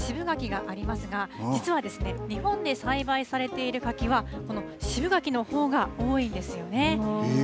柿は甘柿と渋柿がありますが実は日本で栽培されている柿はこの渋柿のほうが多いんですよね。